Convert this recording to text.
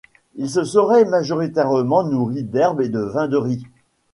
Il se serait majoritairement nourri d'herbes et de vin de riz.